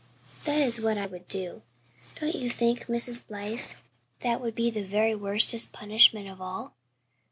That is what I would do. Don't you think, Mrs. Blythe, that would be the very worstest punishment of all?"